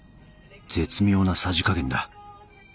絶妙なさじ加減だ。